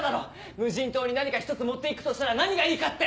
無人島に何か１つ持って行くとしたら何がいいかって。